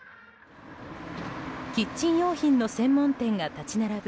キッチン用品の専門店が立ち並ぶ